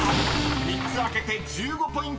３つ開けて１５ポイント獲得］